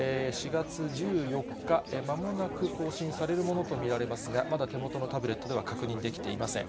４月１４日、まもなく更新されるものと見られますが、まだ手元のタブレットでは確認できていません。